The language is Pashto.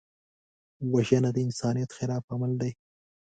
وژنه د انسانیت خلاف عمل دی